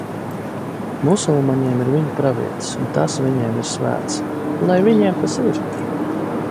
Musulmaņiem ir viņu pravietis. Un tas viņiem ir svēts. Lai viņiem tas ir!